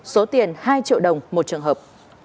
số tiền hai triệu đồng một trường hợp